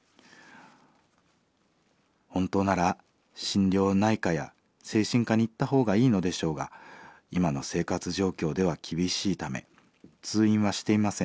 本当なら心療内科や精神科に行ったほうがいいのでしょうが今の生活状況では厳しいため通院はしていません。